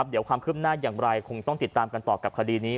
เดี๋ยวความคืบหน้าอย่างไรคงต้องติดตามกันต่อกับคดีนี้